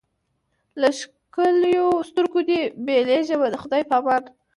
له ښکلیو سترګو دي بېلېږمه د خدای په امان